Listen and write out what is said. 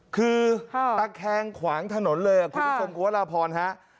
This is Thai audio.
คือตะแคงขวางถนนเลยครับคุณผู้ชมครัวราวพรภัณฑ์